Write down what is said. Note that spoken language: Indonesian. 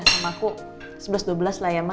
sama aku sebelas dua belas lah ya